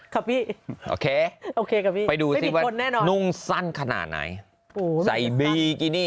ค่ะพี่ไม่มีคนแน่นอนโอเคไปดูสิว่านุ่งสั้นขนาดไหนใส่บีกินี่